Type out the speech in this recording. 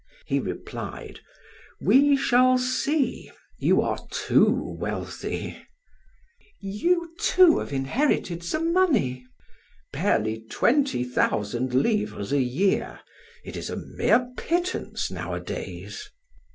He replied: "We shall see; you are too wealthy." "You, too, have inherited some money." "Barely twenty thousand livres a year. It is a mere pittance nowadays."